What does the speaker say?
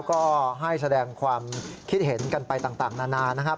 ก็ให้แสดงความคิดเห็นกันไปต่างนานานะครับ